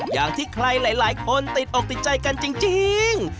อย่างที่ใครหลายคนติดอกติดใจกันจริง